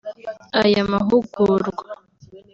Aya mahugurwa